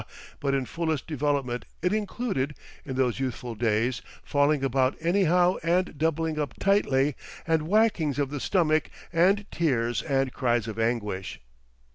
but in fullest development it included, in those youthful days, falling about anyhow and doubling up tightly, and whackings of the stomach, and tears and cries of anguish.